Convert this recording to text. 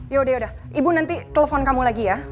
yaudah yaudah ibu nanti telfon kamu lagi ya